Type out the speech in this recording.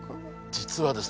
実はですね